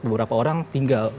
beberapa orang tinggal